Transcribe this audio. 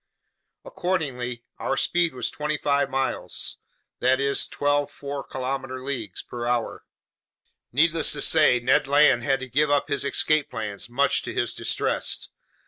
Accordingly, our speed was twenty five miles (that is, twelve four kilometer leagues) per hour. Needless to say, Ned Land had to give up his escape plans, much to his distress.